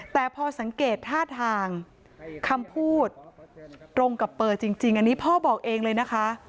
แต่พอสังเกตท่าทางคำพูดตรงกับเบอร์จริงอันนี้พ่อบอกเองเลยนะคะ